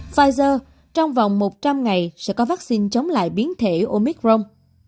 pfizer trong vòng một trăm linh ngày sẽ có vaccine chống lại biến thể omicron